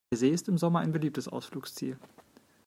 Der See ist im Sommer ein beliebtes Ausflugsziel.